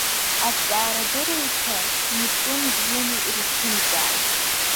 Аҭҵаарадырҩцәа Нептун ибзианы ирызҭымҵааит.